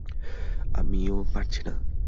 আমিও পারছি না।